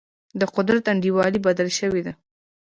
د قدرت انډول بدل شوی دی.